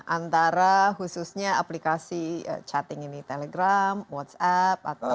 antara khususnya aplikasi chatting ini telegram whatsapp atau